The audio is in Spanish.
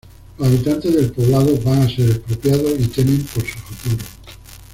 Los habitantes del poblado van a ser expropiados y temen por su futuro.